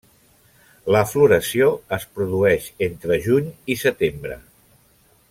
La floració es produeix entre juny i setembre.